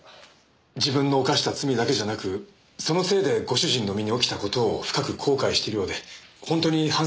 自分の犯した罪だけじゃなくそのせいでご主人の身に起きた事を深く後悔しているようで本当に反省しているんです。